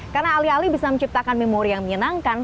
karena alih alih bisa menciptakan memori yang menyenangkan